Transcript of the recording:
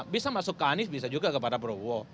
bisa masuk ke anies bisa juga ke para prabowo